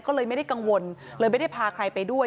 ก็เลยไม่ได้กังวลเลยไม่ได้พาใครไปด้วย